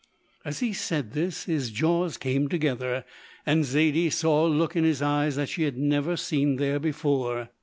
As he said this, his jaws came together, and Zaidie saw a look in his eyes that she had never seen there before.